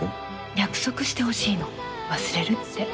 約束してほしいの、忘れるって。